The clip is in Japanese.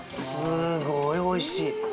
すごいおいしい。